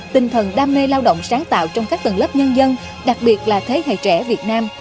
tinh thần đam mê lao động sáng tạo trong các tầng lớp nhân dân đặc biệt là thế hệ trẻ việt nam